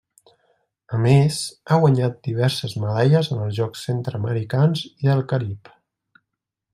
A més, ha guanyat diverses medalles en els Jocs Centreamericans i del Carib.